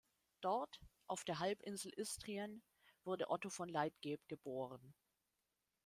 Dort, auf der Halbinsel Istrien, wurde Otto von Leitgeb geboren.